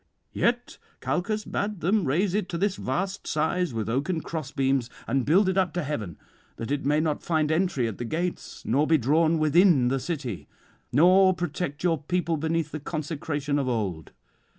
Yet Calchas bade them raise it to this vast size with oaken crossbeams, and build it up to heaven, that it may not find entry at the gates nor be drawn within the city, nor protect your people beneath the consecration of old.